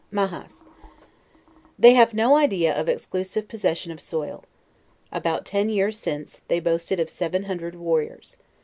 MAHAS. They have no idea of exclusive possession of soil. About ten years since, they boasted of seven hundred warriors.